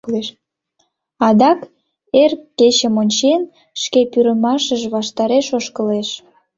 Адак, эр кечым ончен, шке пӱрымашыж ваштареш ошкылеш.